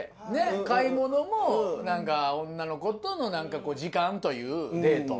買い物も女の子との時間というデート。